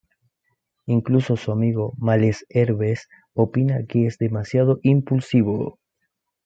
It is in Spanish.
Incluso su amigo Malesherbes opina que es demasiado impulsivo.